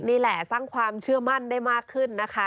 นี่แหละสร้างความเชื่อมั่นได้มากขึ้นนะคะ